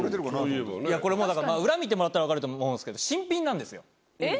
いやこれもだから裏見てもらったら分かると思うんですけど新品なんですよ